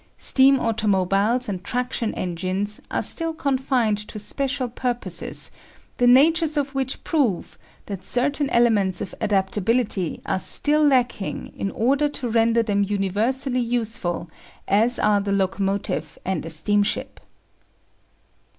Steam automobiles and traction engines are still confined to special purposes, the natures of which prove that certain elements of adaptability are still lacking in order to render them universally useful as are the locomotive and the steam ship.